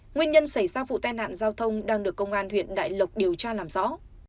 nguyên nhân xảy ra vụ tai nạn giao thông đang được công an huyện đại lộc điều tra làm rõ